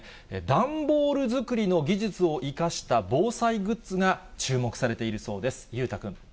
段ボール作りの技術を生かした防災グッズが、注目されているそうです。